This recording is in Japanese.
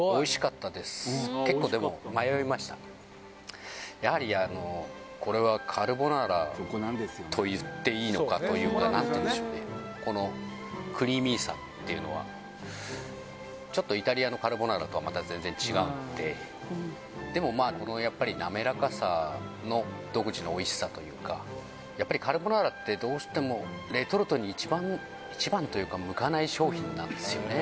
結構やはりあのというか何ていうんでしょうねこのクリーミーさっていうのはちょっとイタリアのカルボナーラとはまた全然違うのででもまあこのやっぱり滑らかさの独自のおいしさというかやっぱりカルボナーラってどうしてもレトルトに一番一番というか向かない商品なんですよね